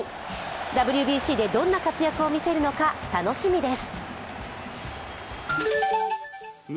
ＷＢＣでどんな活躍を見せるのか楽しみです。